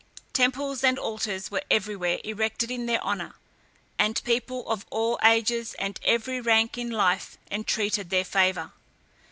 Temples and altars were everywhere erected in their honour, and people of all ages and of every rank in life entreated their favour.